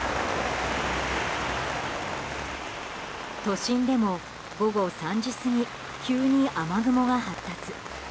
都心でも午後３時過ぎ急に雨雲が発達。